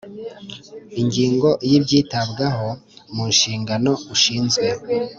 Ingingo yibyitabwaho mu nshingano ushinzwe